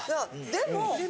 でも。